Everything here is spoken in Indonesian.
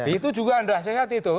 itu juga anda sehat itu